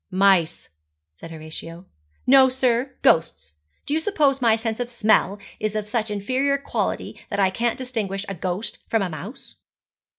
'Mice,' said Horatio. 'No, sir, ghosts. Do you suppose my sense of smell is of such inferior quality that I can't distinguish a ghost from a mouse?'